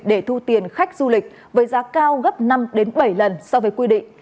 để thu tiền khách du lịch với giá cao gấp năm bảy lần so với quy định